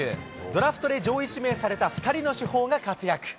ドラフトで上位指名された２人の主砲が活躍。